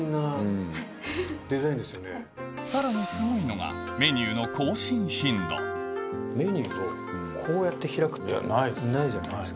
さらにすごいのがメニューをこうやって開くってないじゃないですか。